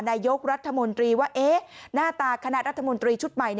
นายกรัฐมนตรีว่าหน้าตาคณะรัฐมนตรีชุดใหม่